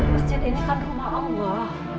masjid ini kan rumah allah